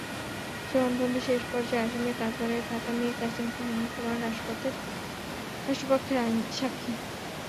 জবানবন্দির শেষ পর্যায়ে আসামির কাঠগড়ায় থাকা মীর কাসেমকে শনাক্ত করেন রাষ্ট্রপক্ষের সাক্ষী।